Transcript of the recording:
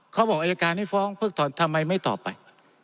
เขาบอกอายการให้ฟ้องเพิกถอนทำไมไม่ตอบไป